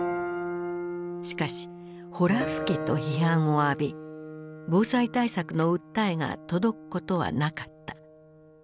しかしほら吹きと批判を浴び防災対策の訴えが届くことはなかった。